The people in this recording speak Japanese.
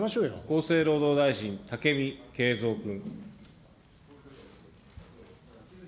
厚生労働大臣、武見敬三君。